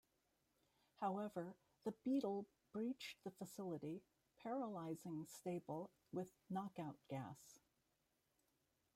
However, the Beetle breached the facility, paralyzing Sable with knockout gas.